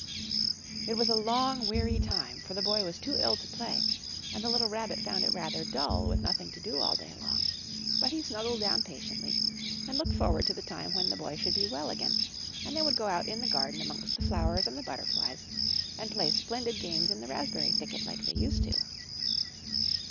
It was a long weary time, for the Boy was too ill to play, and the little Rabbit found it rather dull with nothing to do all day long. But he snuggled down patiently, and looked forward to the time when the Boy should be well again, and they would go out in the garden amongst the flowers and the butterflies and play splendid games in the raspberry thicket like they used to.